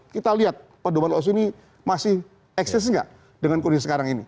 kita lihat pendoban lausi ini masih eksis tidak dengan kursi sekarang ini